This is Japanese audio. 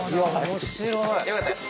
面白い。